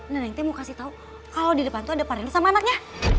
neneng teh mau kasih tau kalo di depan tuh ada pak reno sama anaknya